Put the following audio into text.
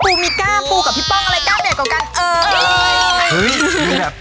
ปูมีกล้าปูกับปี่ป๋องอะไรกล้าเปลี่ยวกัน